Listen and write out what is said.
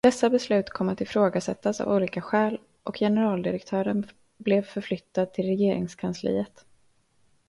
Dessa beslut kom att ifrågasättas av olika skäl och generaldirektören blev förflyttad till Regeringskansliet.